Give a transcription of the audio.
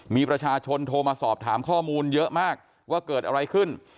มีประชาชนโทรมาสอบถามข้อมูลเยอะมากว่าเกิดอะไรขึ้น